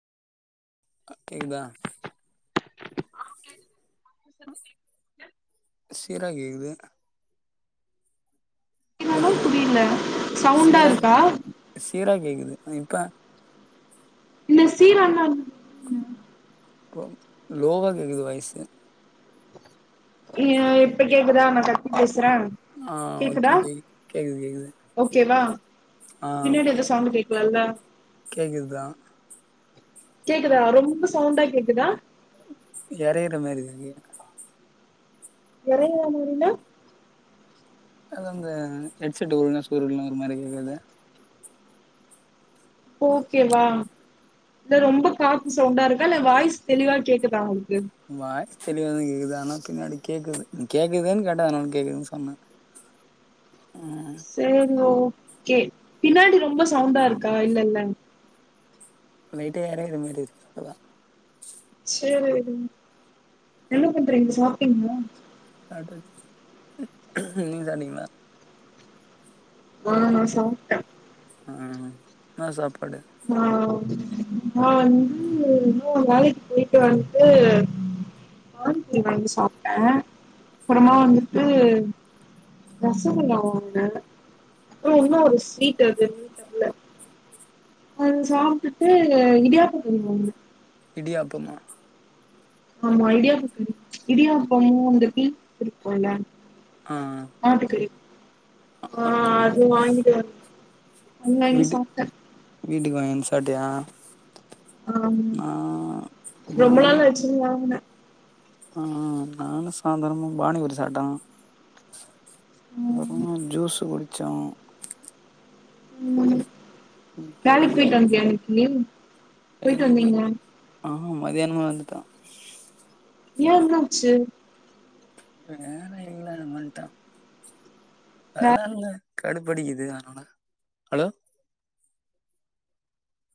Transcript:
ஆ கேக்குதா சீரா கேக்கிது இப்ப னாலும் கேக்குது புரியில சவுண்டா இருக்கா சீராக் கேக்குது ம் இப்ப இந்த சீரான்னா என்ன போது லோவா கேக்குது வாய்ஸூ ஏ இப்ப கேக்குதா நா கத்தி பேசுறேன் ஆ ஓகே கேக்குதா கேக் கேக்குது கேக்குது ஓகே வா ஆ பின்னாடி எதோ சத் சவுண்ட் கேக்குவல்ல கேக்குதுதா கேக்குதா ரொம்ப சவுண்டா கேக்குதா எரையிற மாரி இருக்கு எரயிர மாரினா அது அந்த ஹெட்செட்டு ஒழுங்கா சொருகலன்னா ஒரு மாரி கேக்கது ஓகேவா தர ரொம்ப காத்து சவுண்டா இருக்கா இல்ல வாய்ஸ் தெளிவா கேக்குதா உங்ளுக் வாய்ஸ் தெளிவா தா கேக்குது ஆனா பின்னாடி கேக்குது நீ கேக்குதுன் கேட்ட அனாலனு கேக்குதுன் சொன்னே ம் சேரிங்க ஓகே பின்னாடி ரொம்ப சவுண்டா இருக்கா இல்லல்ல லைட்டா ஏரயுற மாதி இருக்கு அவ்ளோதா சேரி என்ன பண்றீங்க சாப்ட்டீங்ளா சாப்டாச்சு நீங்க சாப்டிங்களா ஆ நா சாப்டே ஆ என்னா சாப்பாடு ம் நா வந்து இன்னோ வேலைக்கு போய்ட்டு வந்ட்டு பானி பூரி வாங்கி சாப்ட்டே அப்புறமா வந்துட்டு ரசகுல்லா வாங்குனே அப்புற இன்னு ஒரு ஸ்வீட் அது என்னனு தெர்ல அது சாப்ட்டுட்டு இடியாப்ப கறி வாங்குனே இடியாப்பமா ஆமா இடியாப்ப கறி இடியாப்பமும் அந்த பீ பொறிப்போல்ல ஆ ஆட்டுக்கறி ஆ அது வாங்கிட்டு வந்து [unintelligible] வாங்கி வீட்டு சாப்டே வீட்டுக்கு வாங்கியாந்து சாப்ட்டியா ஆ நா ரொம்ப நா நாள் ஆச்சினு வாங்குனே ஆ நானு சாந்தனமு பானி பூரி சாப்டோ அப்புற ஜூஸ் குடிச்சோ ம் இப்ப வேலக்கு தோ போயிட்டு வன்டியா இன்னைக்கு போயிட்டு வேலைக்கு போய் வந்தீங்க ஆ மதியானமே வந்துட்ட யா என்னாச்சு வேல இல்ல வந்ட்ட வேல டயர்டாருந்த கடுபடிக்குது அதனால ஹலோ